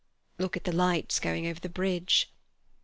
"Look at the lights going over the bridge."